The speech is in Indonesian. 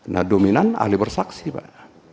nah dominan ahli bersaksi pak